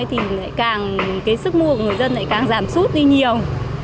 thì lại càng cái sức mua của người dân lại càng giảm sút đi nhiều